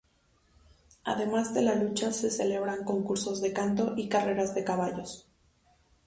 Además de la lucha se celebran concursos de canto y carreras de caballos.